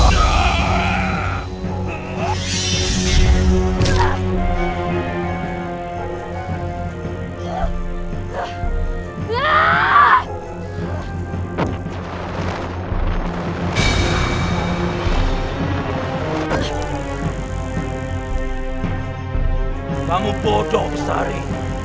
kamu bodoh bersari